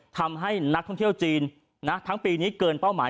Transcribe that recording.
ทำให้นักท่องเที่ยวจีนทั้งปีนี้เกินเป้าหมาย